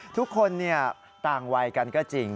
ทุกคนต่างวัยกันก็จริง